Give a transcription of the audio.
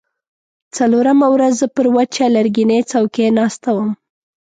څلورمه ورځ زه پر وچه لرګینۍ څوکۍ ناسته وم.